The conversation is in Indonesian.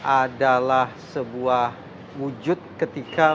adalah sebuah wujud ketika